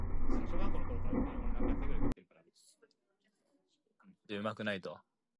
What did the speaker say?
Once you have selected a book, consider the length.